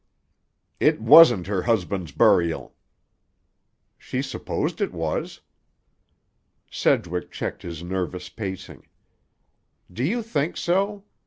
"It wasn't her husband's burial." "She supposed it was." Sedgwick checked his nervous pacing. "Do you think so?